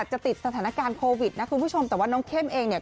จะติดสถานการณ์โควิดนะคุณผู้ชมแต่ว่าน้องเข้มเองเนี่ย